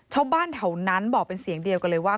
ชาวบ้านแถวนั้นบอกเป็นเสียงเดียวกันเลยว่า